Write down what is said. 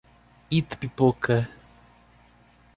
Itapipoca